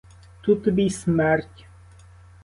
Тут тобі й смерть!